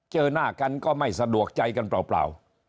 เจอหน้ากันก็ไม่สะดวกใจกันเปล่า